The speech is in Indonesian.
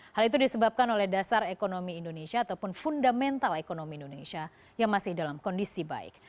hal itu disebabkan oleh dasar ekonomi indonesia ataupun fundamental ekonomi indonesia yang masih dalam kondisi baik